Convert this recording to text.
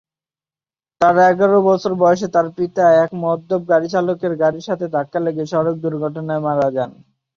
তার এগারো বছর বয়সে তার পিতা এক মদ্যপ গাড়ি চালকের গাড়ির সাথে ধাক্কা লেগে সড়ক দুর্ঘটনায় মারা যান।